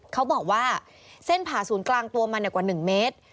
เขาบอกว่าเส้นผ่าศูนย์กลางตัวมันกว่า๑เมตร